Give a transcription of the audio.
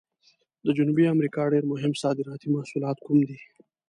د جنوبي امریکا ډېر مهم صادراتي محصولات کوم دي؟